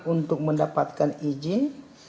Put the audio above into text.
untuk mendapatkan ijin